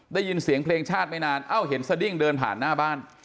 ได้ยินเสียงเพลงชาติไม่นานเอ้าเห็นสดิ้งเดินผ่านหน้าบ้าน